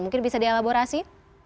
mungkin bisa dialaborasi